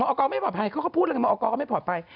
มอกไม่ปลอดภัยเขาก็พูดอะไรมอกก็ไม่ปลอดภัย